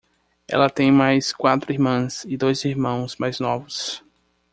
Ela tem mais quatro irmãs e dois irmãos mais novos.